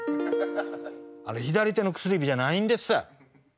あれ左手の薬指じゃないんです。